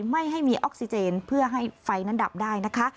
ไม่ให้มีออกซิเจนเพื่อให้ไฟนั้นดับได้นะคะ